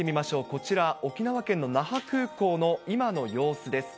こちら、沖縄県の那覇空港の今の様子です。